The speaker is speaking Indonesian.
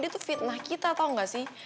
dia tuh fitnah kita tau nggak sih